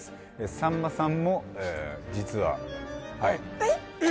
さんまさんも実はえっ？